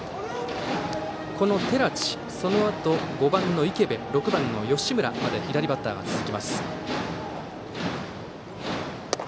この寺地、そのあと５番の池邉６番の吉村まで左バッターが続きます。